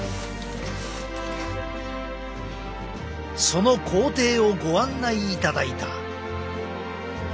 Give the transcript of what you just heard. その工程をご案内いただいた。